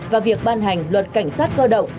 và việc ban hành luật cảnh sát cơ động